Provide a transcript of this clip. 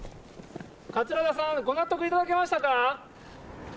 桂田さん、ご納得いただけましたか？